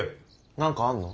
何かあんの？